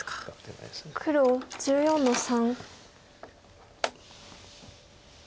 黒１４の三。